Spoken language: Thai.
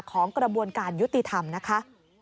ของกระบวนการยุติธรรมนะคะ